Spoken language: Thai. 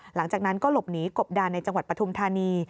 หลังจากนั้นก็หลบหนีกบดานในจังหวัดปฐุมธานี